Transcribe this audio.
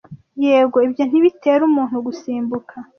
yego ibyo ntibitera umuntu gusimbuka